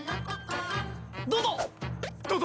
どうぞ！